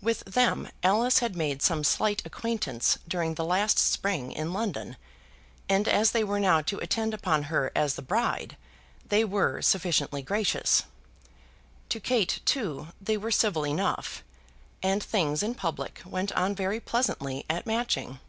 With them Alice had made some slight acquaintance during the last spring in London, and as they were now to attend upon her as the bride they were sufficiently gracious. To Kate, too, they were civil enough, and things, in public, went on very pleasantly at Matching.